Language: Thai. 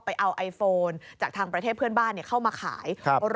เอาไอโฟนจากทางประเทศเพื่อนบ้านเข้ามาขาย